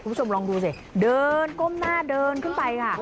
คุณผู้ชมลองดูสิเดินก้มหน้าเดินขึ้นไปค่ะ